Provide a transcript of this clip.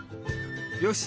よし！